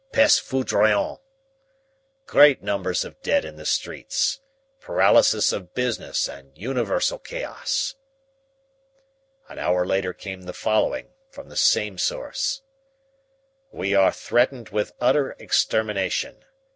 Peste foudroyante. Great numbers of dead in the streets. Paralysis of business and universal chaos.' "An hour later came the following, from the same source: "'We are threatened with utter extermination.